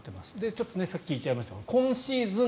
ちょっとさっき言っちゃいましたが今シーズン